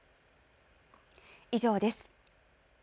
以上です。